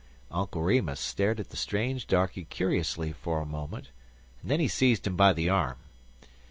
Uncle Remus stared at the strange darkey curiously for a moment, and then he seized him by the arm.